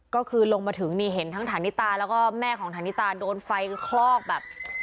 ก็คือลงมาถึงนี่เห็นทั้งฐานิตาแล้วก็แม่ของฐานิตาโดนไฟคลอกแบบ